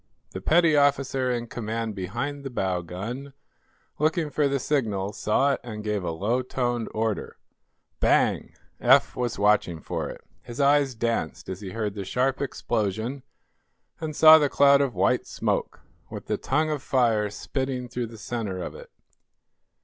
The petty officer in command behind the bow gun, looking for the signal, saw it and gave a low toned order. Bang! Eph was watching for it. His eyes danced as he heard the sharp explosion and saw the cloud of white smoke, with the tongue of fire spitting through the center of it.